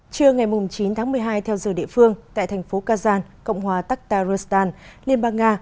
trưa ngày chín tháng một mươi hai theo giờ địa phương tại thành phố kazan cộng hòa taktaristan liên bang nga